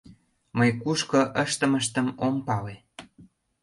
Мый кушко ыштымыштым ом пале.